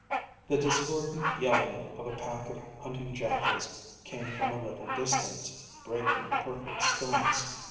The discordant yelling of a pack of hunting jackals came from a little distance, breaking the perfect stillness.